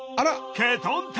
ケトン体！